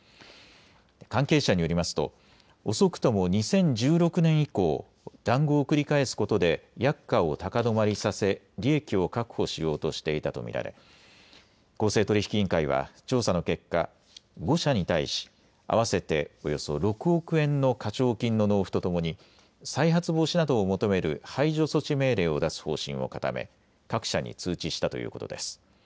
関係者によりますと遅くとも２０１６年以降、談合を繰り返すことで薬価を高止まりさせ利益を確保しようとしていたと見られ公正取引委員会は調査の結果、５社に対し合わせておよそ６億円の課徴金の納付とともに再発防止などを求める排除措置命令を出す方針を固め各社に通知したということです。